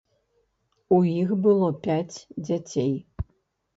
У іх было пяць дзяцей.